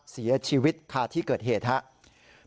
เสียชีวิตคาที่เกิดเหตุครับ